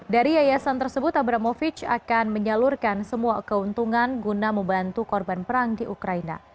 dari yayasan tersebut abramovic akan menyalurkan semua keuntungan guna membantu korban perang di ukraina